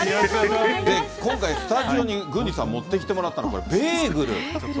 今回、スタジオに郡司さん、持ってきてもらったの、ベーグル。